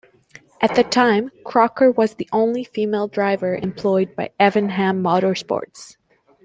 At the time, Crocker was the only female driver employed by Evernham Motorsports.